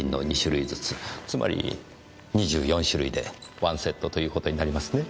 つまり２４種類でワンセットという事になりますね。